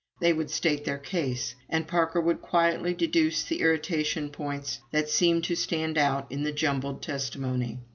They would state their case. And Parker would quietly deduce the irritation points that seemed to stand out in the jumbled testimony.